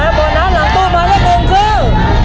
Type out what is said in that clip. และโบนัสหลังตู้หมายเลขหนึ่งคือ